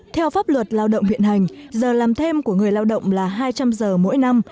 theo pháp luật lao động hiện hành giờ làm thêm của người lao động là hai trăm linh giờ mỗi năm